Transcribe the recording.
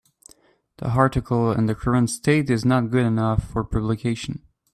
The article in the current state is not good enough for publication.